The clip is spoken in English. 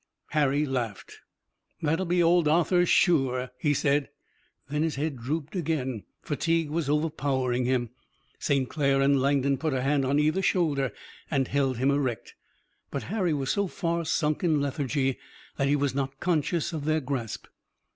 Harry laughed. "That'll be old Arthur, sure," he said. Then his head drooped again. Fatigue was overpowering him. St. Clair and Langdon put a hand on either shoulder and held him erect, but Harry was so far sunk in lethargy that he was not conscious of their grasp.